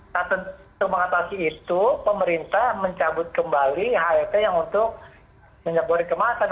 nah untuk mengatasi itu pemerintah mencabut kembali het yang untuk minyak goreng kemasan